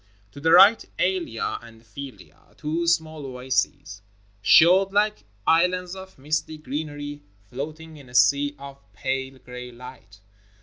To the right Alia and Filiah — two small oases — showed hke islands of misty greenery floating in a sea of pale gray light.